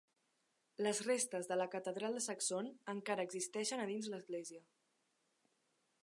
Les restes de la catedral de Saxon encara existeixen a dins l'església.